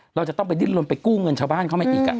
เราจะต้องไปดิ้นลนไปกู้เงินชาวบ้านเข้ามาอีก